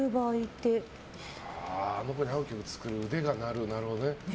あの子に合う曲を作る腕が鳴るね。